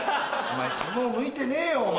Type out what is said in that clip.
お前相撲向いてねえよ。